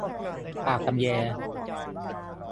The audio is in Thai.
ปากตำแย